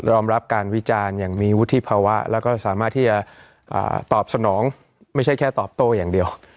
รับการวิจารณ์อย่างมีวุฒิภาวะแล้วก็สามารถที่จะตอบสนองไม่ใช่แค่ตอบโต้อย่างเดียว